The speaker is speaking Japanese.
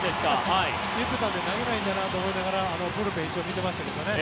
言ってたので投げないんだなと思いながらブルペンを一応見てましたけどね。